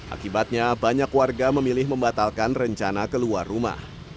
akibatnya banyak warga memilih membatalkan rencana keluar rumah